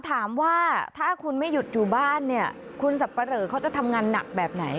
ถามว่าถ้าคุณไม่หยุดอยู่บ้านเนี่ยคุณสับปะเหลอเขาจะทำงานหนักแบบไหน